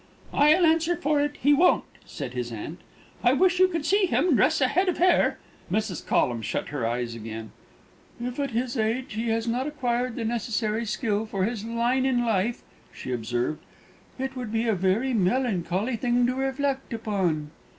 "I'll answer for it, he won't," said his aunt. "I wish you could see him dress a head of hair." Mrs. Collum shut her eyes again. "If at his age he has not acquired the necessary skill for his line in life," she observed, "it would be a very melancholy thing to reflect upon."